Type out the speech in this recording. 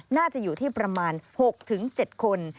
น่าจะอยู่ที่ประมาณ๖๗คน